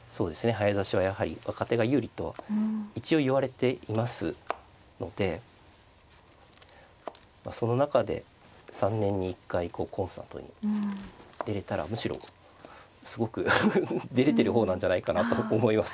早指しはやはり若手が有利と一応いわれていますのでその中で３年に１回コンスタントに出れたらむしろすごく出れてる方なんじゃないかなと思います。